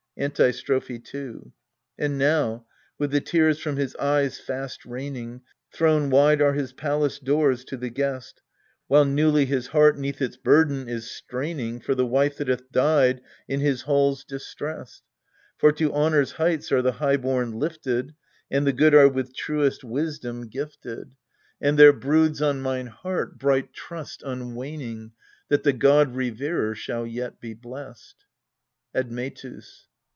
Antistrophe 2 And now, with the tears from his eyes fast raining, Thrown wide are his palace doors to the guest, While newly his heart 'neath its burden is straining, For the wife that hath died in his halls distressed. For to honour's heights are the high born lifted, And the good are with truest wisdom gifted ; ALCESTIS 219 And there broods on mine heart bright trust unwaning That the god reverer shall yet be blest. Admetus.